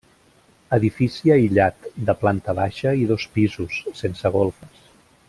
Edifici aïllat, de planta baixa i dos pisos, sense golfes.